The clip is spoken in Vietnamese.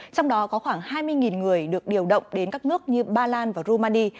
trong đó có khoảng hai mươi người được điều động đến các nước như ba lan và rumani